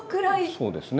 そうですね。